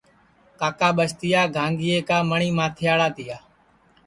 کاکا ٻستِیا گھانٚگِئے کا مٹؔی ماتھیڑا تِیا